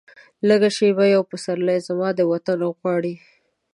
لږه شیبه یو پسرلی، زما د وطن غواړي